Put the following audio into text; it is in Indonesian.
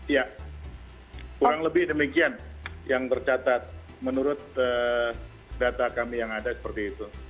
ya kurang lebih demikian yang tercatat menurut data kami yang ada seperti itu